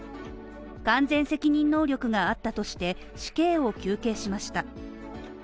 完全責任能力があったとして死刑を求刑しました。